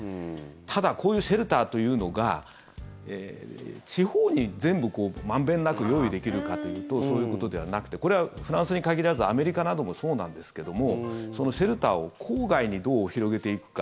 ただこういうシェルターというのが地方に全部、満遍なく用意できるかというとそういうことではなくてこれはフランスに限らずアメリカなどもそうなんですけどもそのシェルターを郊外にどう広げていくか。